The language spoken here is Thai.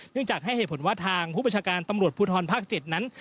จากให้เหตุผลว่าทางผู้ประชาการตำรวจภูทรภาค๗นั้น